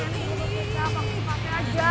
ini gue bekerja pake aja